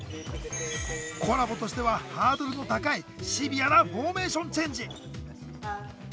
コラボとしてはハードルの高いシビアなフォーメーションチェンジ。